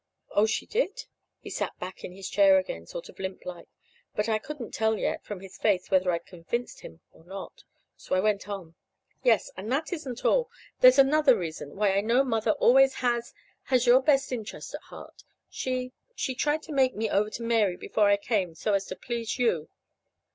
"Oh, she did." He sat back in his chair again, sort of limp like. But I couldn't tell yet, from his face, whether I'd convinced him or not. So I went on. "Yes, and that isn't all. There's another reason, why I know Mother always has has your best interest at heart. She she tried to make me over into Mary before I came, so as to please you."